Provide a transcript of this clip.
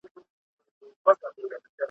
لکه چرګ په ډېران مه وایه بانګونه ,